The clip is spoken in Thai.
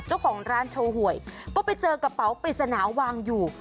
เจ้าของร้านโชว์หวยก็ไปเจอกระเป๋าปริศนาวางอยู่